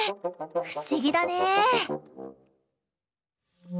不思議だね。